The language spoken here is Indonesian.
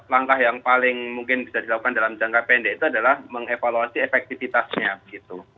langkah yang paling mungkin bisa dilakukan dalam jangka pendek itu adalah mengevaluasi efektivitasnya begitu